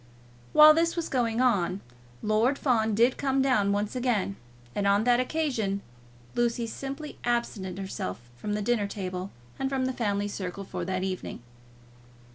While this was going on, Lord Fawn did come down once again, and on that occasion Lucy simply absented herself from the dinner table and from the family circle for that evening.